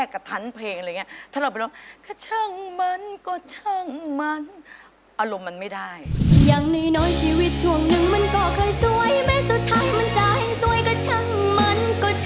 อย่างในน้อยชีวิตช่วงหนึ่งมันก็เคยสวยไม่สุดท้ายมันจะให้สวยก็ช่างมันก็ช่างมัน